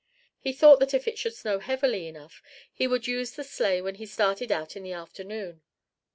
He thought that if it should snow heavily enough he would use the sleigh when he started out in the afternoon.